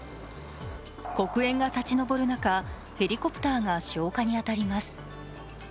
黒煙が立ち上る中、ヘリコプターが消火に当たります。